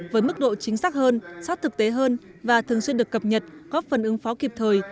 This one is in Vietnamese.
với mức độ chính xác hơn sát thực tế hơn và thường xuyên được cập nhật góp phần ứng phó kịp thời